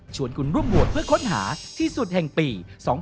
ชวนคุณร่วมงวดเพื่อค้นหาที่สุดแห่งปี๒๐๒๒